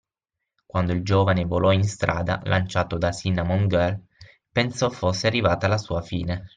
Quando il giovane volò in strada, lanciato da Cinnamon Girl, pensò fosse arrivata la sua fine.